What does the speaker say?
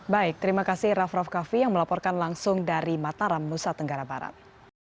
baik terima kasih raff raff kaffi yang melaporkan langsung dari mataram nusa tenggara barat